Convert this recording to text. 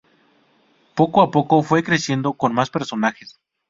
Poco a poco fue creciendo con más personajes.